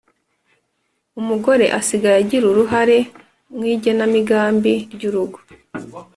umugore asigaye agira uruhare mu igenamigambi ry’urugo,